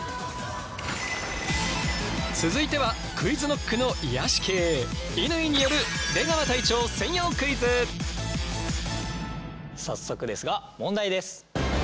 続いてはＱｕｉｚＫｎｏｃｋの癒やし系乾による早速ですが問題です。